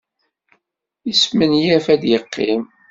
Yesmenyaf ad yeqqim.